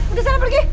udah sana pergi